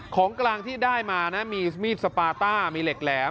ของกลางที่ได้มานะมีมีดสปาต้ามีเหล็กแหลม